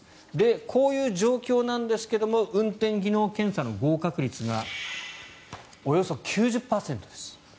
こういう状況なんですが運転技能検査の合格率がおよそ９０％です。